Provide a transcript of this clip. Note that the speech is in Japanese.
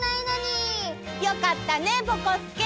よかったねぼこすけ！